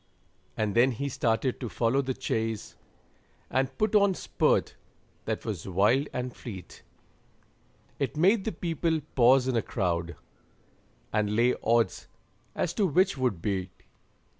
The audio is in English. And then he started to follow the chase, And put on a spurt that was wild and fleet, It made the people pause in a crowd, And lay odds as to which would beat.